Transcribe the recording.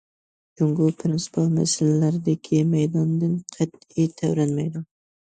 جۇڭگو پىرىنسىپال مەسىلىلەردىكى مەيدانىدىن قەتئىي تەۋرەنمەيدۇ.